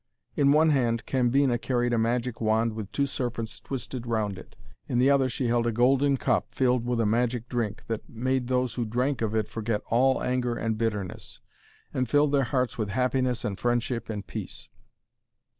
In one hand Cambina carried a magic wand with two serpents twisted round it. In the other she held a golden cup filled with a magic drink, that made those who drank of it forget all anger and bitterness, and filled their hearts with happiness and friendship and peace.